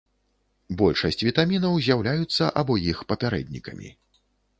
Большасць вітамінаў з'яўляюцца або іх папярэднікамі.